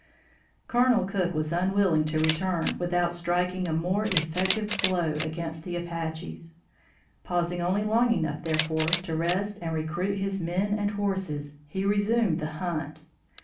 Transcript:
Colonel Cook was unwilling to return without striking a more effective blow against the Apaches. Pausing only long enough, therefore, to rest and recruit his men and horses, he resumed the hunt.